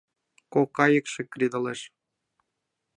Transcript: Кок кайыкше кредалеш.